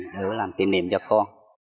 hứa làm kỷ niệm cho con